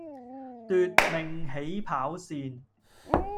奪命起跑線